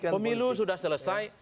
pemilu sudah selesai